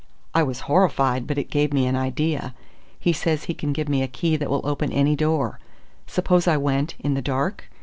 I was horrified, but it gave me an idea. He says he can give me a key that will open any door. Suppose I went ... in the dark?